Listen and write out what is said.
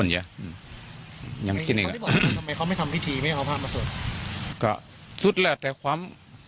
ทำไมเขาไม่ทำพิธีไม่ได้เอาพามาส่วนก็สุดแล้วแต่ความ